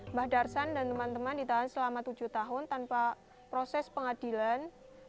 mbak darsan dan teman teman ditahan selama tujuh tahun tanpa proses pengadilan